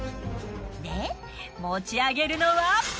で持ち上げるのは。